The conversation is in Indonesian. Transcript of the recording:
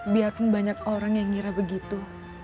biarpun banyak orang yang ngira begitu